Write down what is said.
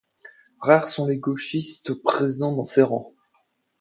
Rares sont les gauchistes présents dans ses rangs.